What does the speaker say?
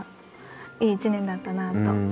いい１年だったなあと。